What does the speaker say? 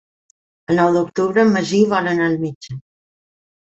El nou d'octubre en Magí vol anar al metge.